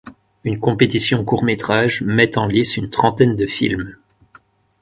Une compétition courts métrages met en lice une trentaine de films.